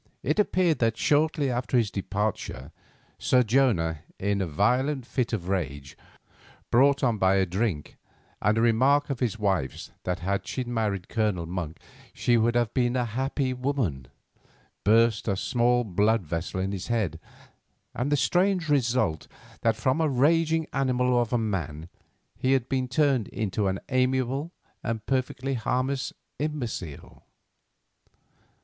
It appeared that shortly after his departure Sir Jonah, in a violent fit of rage, brought on by drink and a remark of his wife's that had she married Colonel Monk she "would have been a happy woman," burst a small blood vessel in his head, with the strange result that from a raging animal of a man he had been turned into an amiable and perfectly harmless imbecile.